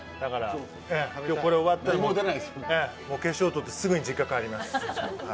今日これ終わったら化粧とってすぐに実家帰ります。